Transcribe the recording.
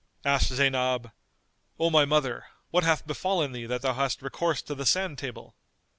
Asked Zaynab, "O my mother, what hath befallen thee that thou hast recourse to the sand table?"